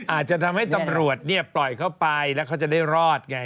อาจจะทำให้ตำรวจเนี่ยปล่อยเข้าไปแล้วเขาจะได้รอดไง